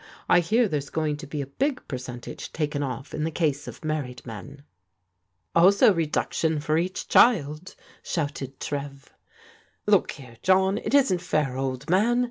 I hear there's going to be a big percentage taken off in the case of married men." Also reduction for each child!" shouted Trev. Look here, John, it isn't fair, old man.